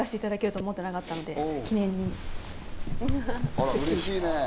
あら、うれしいね！